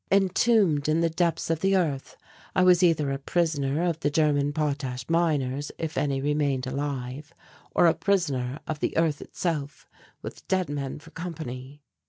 Entombed in the depths of the earth, I was either a prisoner of the German potash miners, if any remained alive, or a prisoner of the earth itself, with dead men for company.